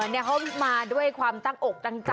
นี่เขามาด้วยความตั้งอกตั้งใจ